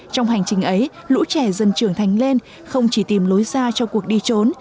trong hành trình ấy lũ trẻ dân trưởng thanh lên không chỉ tìm lối ra cho cuộc đi trốn